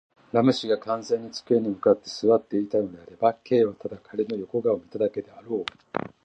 ラム氏が完全に机に向って坐っていたのであれば、Ｋ はただ彼の横顔を見ただけであろう。